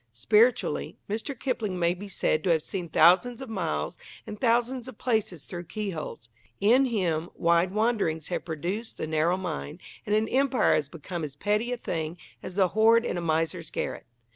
Spiritually, Mr. Kipling may be said to have seen thousands of miles and thousands of places through keyholes. In him, wide wanderings have produced the narrow mind, and an Empire has become as petty a thing as the hoard in a miser's garret.